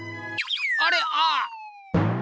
あれああ！